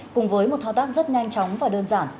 cùng với một thao tác rất nhanh chóng và đơn giản